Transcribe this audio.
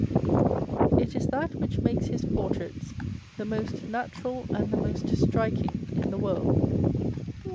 It is that which makes his portraits the most natural and the most striking in 'the world.